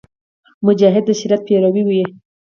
مجاهد د شریعت پیرو وي.